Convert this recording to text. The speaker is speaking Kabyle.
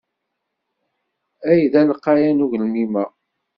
Ay d alqayan ugelmim-a!